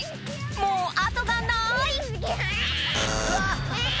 もうあとがない！